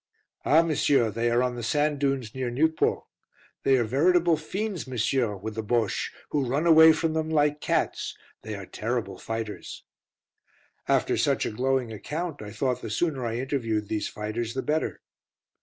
"Ah, monsieur, they are on the sand dunes near Nieuport. They are veritable fiends, monsieur, with the Bosches, who run away from them like cats. They are terrible fighters." After such a glowing account, I thought the sooner I interviewed these fighters the better.